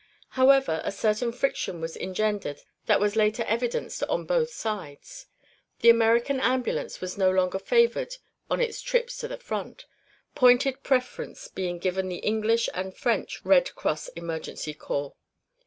However, a certain friction was engendered that was later evidenced on both sides. The American ambulance was no longer favored on its trips to the front, pointed preference being given the English and French Red Cross Emergency Corps.